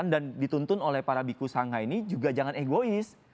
dan dituntun oleh para bikus sangha ini juga jangan egois